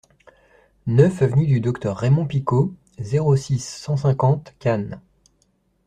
neuf avenue du Docteur Raymond Picaud, zéro six, cent cinquante, Cannes